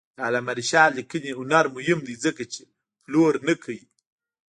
د علامه رشاد لیکنی هنر مهم دی ځکه چې پلور نه کوي.